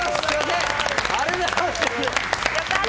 ありがとうございます！